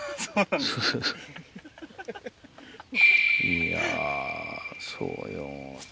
いやそうよ。